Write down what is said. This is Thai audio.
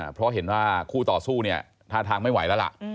เพราะเห็นว่าคู่ต่อสู้เนี่ยท่าทางไม่ไหวแล้วล่ะ